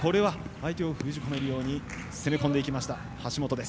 相手を封じ込めるように攻め込んでいきました、橋本。